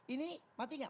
ini mati gak